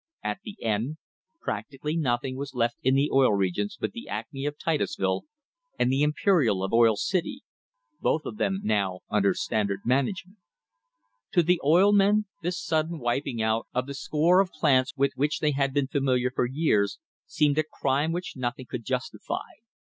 At the end practically nothing was left in the Oil Regions but the Acme of Titusville and the Imperial of Oil City, both of THE HISTORY OF THE STANDARD OIL COMPANY them now under Standard management. To the oil men this sudden wiping out of the score of plants with which they had been familiar for years seemed a crime which nothing could justify.